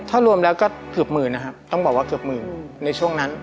ถ้ารวมแล้วก็เกือบหมื่นนะครับต้องบอกว่าเกือบหมื่นในช่วงนั้น